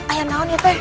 ayah naon ya teh